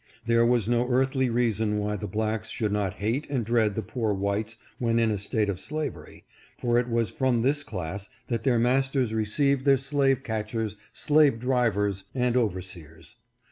There was no earthly reason why the blacks should not hate and dread the poor whites when in a state of slavery, for it was from this class that their masters received their slave catchers, slave drivers, and overseers.